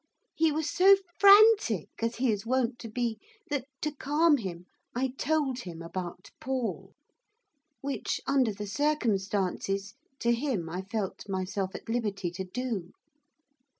He was so frantic, as he is wont to be, that, to calm him, I told him about Paul, which, under the circumstances, to him I felt myself at liberty to do.